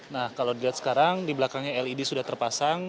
nah kalau dilihat sekarang di belakangnya led sudah terpasang